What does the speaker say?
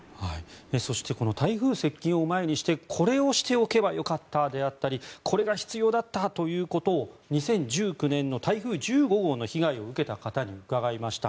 そして台風接近を前にしてこれをしておけばよかったであったりこれが必要だったということを２０１９年の台風１５号の被害を受けた方に聞きました。